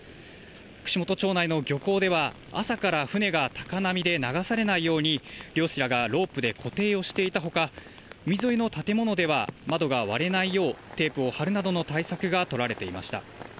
串本町内の漁港では、朝から船が高波で流されないように漁師らがロープで固定をしていたほか、海沿いの建物では窓が割れないよう、テープを貼るなどの対策が取られていました。